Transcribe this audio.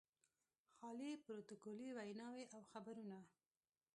خالي پروتوکولي ویناوې او خبرونه.